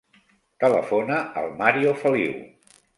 Telefona al Mario Feliu.